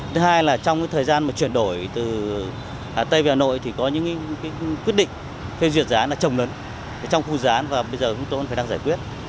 thứ hai là trong thời gian chuyển đổi từ hà tây về hà nội thì có những quyết định theo duyệt gián là trồng lớn trong khu gián và bây giờ chúng tôi cũng đang giải quyết